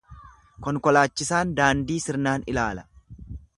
Konkolaachisaan daandii sirnaan ilaala.